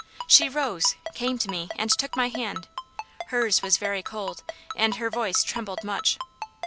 She rose, came to me, and took my hand. Hers was very cold, and her voice trembled much.